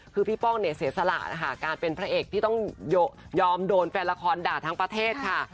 คือพี่ป้องเนี่ยเสียสละนะคะการเป็นพระเอกที่ต้องยอมโดนแฟนละครด่าทั้งประเทศค่ะ